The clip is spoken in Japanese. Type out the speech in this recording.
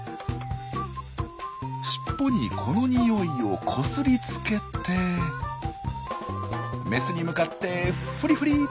尻尾にこの臭いをこすりつけてメスに向かってフリフリ。